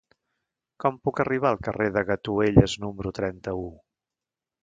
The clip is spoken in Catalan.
Com puc arribar al carrer de Gatuelles número trenta-u?